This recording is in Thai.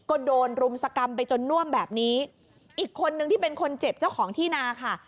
ก็โดนรุมสกรรมไปจนน่วมแบบนี้อีกคนนึงที่เป็นคนเจ็บเจ้าของที่นาค่ะ